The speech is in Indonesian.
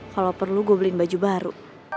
kalau perlu gue beliin baju baru